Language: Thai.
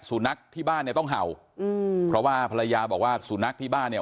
สุนัขที่บ้านเนี่ยต้องเห่าอืมเพราะว่าภรรยาบอกว่าสุนัขที่บ้านเนี่ย